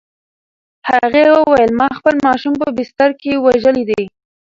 هغې وویل: "ما خپل ماشوم په بستر کې وژلی دی؟"